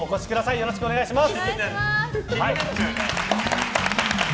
よろしくお願いします。